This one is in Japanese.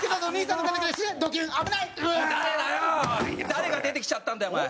誰が出てきちゃったんだよお前。